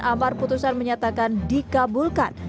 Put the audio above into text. amal putusan menyatakan dikabulkan